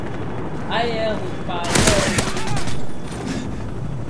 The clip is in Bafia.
Aa yêê rikpaa, yêê rì kì.